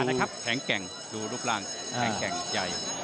มันจะดูรูปร่างแข่งแข่งใหญ่